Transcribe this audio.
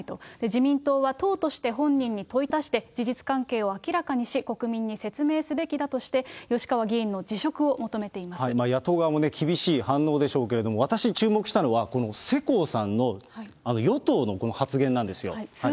自民党は党として本人に問いただして、事実関係を明らかにし、国民に説明すべきだとして吉川議員の辞職野党側も厳しい反応でしょうけれども、私、注目したのは、この世耕さんの、与党のこの発言なんですよ。